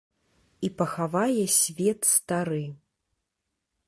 І пахавае свет стары!